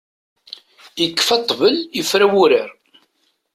Ikfa ṭtbel, ifra wurar.